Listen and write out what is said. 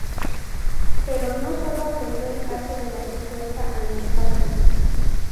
Pero no solo apoyó el caso de la supuesta Anastasia.